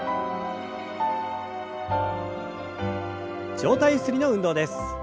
上体ゆすりの運動です。